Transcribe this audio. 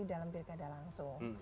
di dalam perikadah langsung